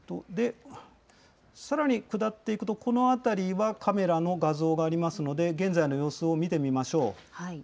さらに下っていくと、この辺りはカメラの画像がありますので、現在の様子を見てみましょう。